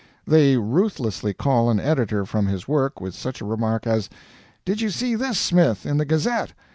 They ruthlessly call an editor from his work with such a remark as: "Did you see this, Smith, in the Gazette?"